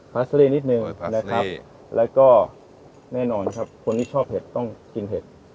ลาสรีนิดนึงนะครับแล้วก็แน่นอนครับคนที่ชอบเห็ดต้องกินเห็ด